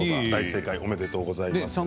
おめでとうございます。